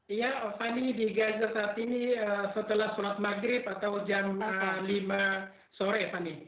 iya fani di gaza saat ini setelah sholat maghrib atau jam lima sore fani